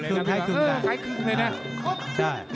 ปรี้ยังไฟคลึงไม่